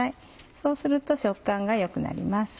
そうすると食感が良くなります。